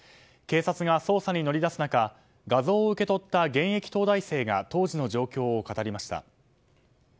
警察が捜査に乗り出す中画像を受け取った現役東大生が当時の状況を語りました。